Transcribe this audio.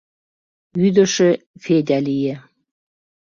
Вӱдышӧ Федя лие.